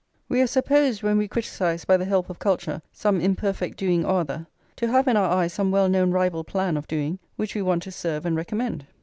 We are supposed, when we criticise by the help of culture some imperfect doing or other, to have in our eye some well known rival plan of doing, which we want to serve and recommend.